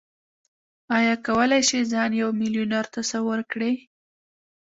ايا کولای شئ ځان يو ميليونر تصور کړئ؟